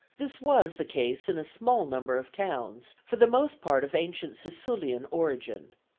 This was the case in a small number of towns, for the most part of ancient Siculian origin.